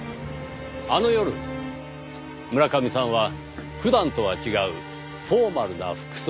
あの夜村上さんは普段とは違うフォーマルな服装で出かけ。